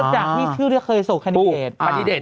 ก็จากที่ชื่อเคยส่งคันดิเดต